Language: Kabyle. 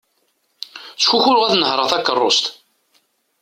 Ttkukruɣ ad nehreɣ takerrust.